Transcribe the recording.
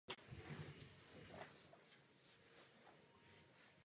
Oznámil vypsání referenda o datu parlamentních voleb.